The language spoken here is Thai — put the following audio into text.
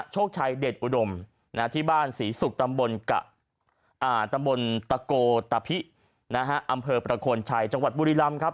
โชคชัยเด็ดอุดมที่บ้านศรีศุกร์ตำบลตำบลตะโกตะพิอำเภอประโคนชัยจังหวัดบุรีรำครับ